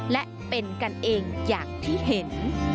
และเป็นกันเองอย่างที่เห็น